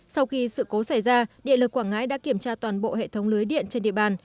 sau khi sự cố xảy ra điện lực quảng ngãi đã kiểm tra toàn bộ hệ thống lưới điện trên địa bàn